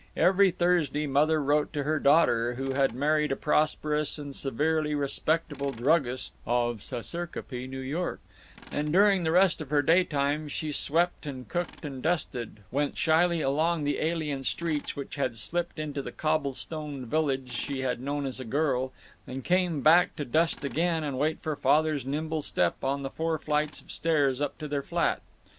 Every Thursday Mother wrote to her daughter, who had married a prosperous and severely respectable druggist of Saserkopee, New York, and during the rest of her daytimes she swept and cooked and dusted, went shyly along the alien streets which had slipped into the cobblestoned village she had known as a girl, and came back to dust again and wait for Father's nimble step on the four flights of stairs up to their flat.